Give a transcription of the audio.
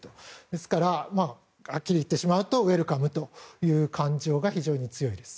ですからはっきり言ってしまうとウェルカムという感情が非常に強いです。